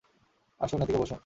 আসুন, এদিকে বসুন।